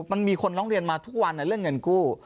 มันมีคนร้องเรียนมาทุกวันเรื่องเงินกู้